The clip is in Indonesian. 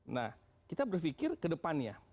nah kita berpikir ke depannya